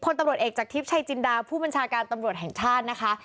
ตำรวจเอกจากทิพย์ชัยจินดาผู้บัญชาการตำรวจแห่งชาตินะคะ